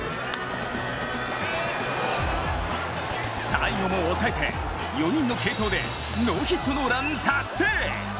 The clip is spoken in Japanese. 最後も抑えて４人の継投でノーヒットノーラン達成！